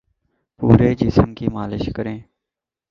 پورے جسم کی مالش کریں